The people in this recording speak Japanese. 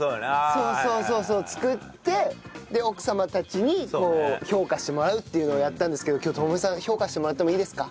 そうそうそうそう作ってで奥様たちに評価してもらうっていうのをやったんですけど今日智美さん評価してもらってもいいですか？